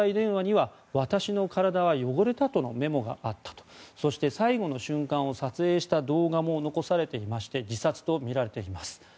朝鮮日報によりますと携帯電話には私の体は汚れたとのメモがあったそして最後の瞬間を撮影した動画も残されていまして自殺とみられています。